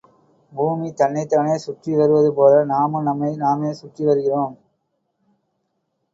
பூமி தன்னைத்தானே சுற்றி வருவது போல நாமும் நம்மை நாமே சுற்றி வருகிறோம்.